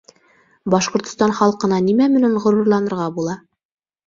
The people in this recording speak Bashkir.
Башҡортостан халҡына нимә менән ғорурланырға була?